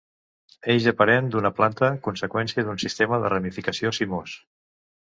Eix aparent d'una planta, conseqüència d'un sistema de ramificació cimós.